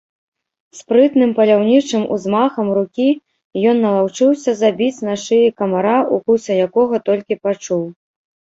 Спрытным паляўнічым узмахам рукі ён налаўчыўся забіць на шыі камара, укусы якога толькі пачуў.